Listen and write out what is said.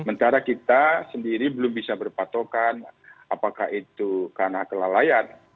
mentara kita sendiri belum bisa berpatokan apakah itu karena kelalaian